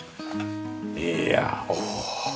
いやおお。